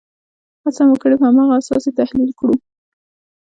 هڅه مو کړې په هماغه اساس یې تحلیل کړو.